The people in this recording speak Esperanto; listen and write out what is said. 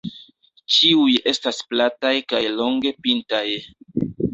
Ĉiuj estas plataj kaj longe pintaj.